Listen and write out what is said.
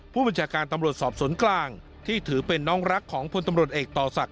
ผู้บัญชาการตำรวจสอบสวนกลางที่ถือเป็นน้องรักของพลตำรวจเอกต่อศักดิ